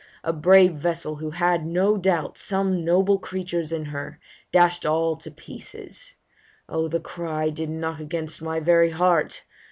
a brave vessel, Who had, no doubt, some noble creatures in her, Dash'd all to pieces. O, the cry did knock Against my very heart!